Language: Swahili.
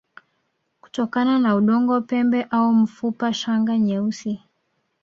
kutokana na udongo pembe au mfupa Shanga nyeusi